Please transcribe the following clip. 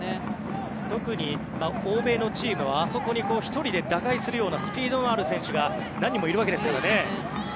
特に欧米のチームはあそこに１人で打開するようなスピードのある選手が何人もいるわけですからね。